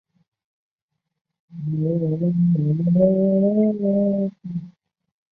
但是这些同性恋婚姻证书很大程度上是只具有中间阶段的法定资格。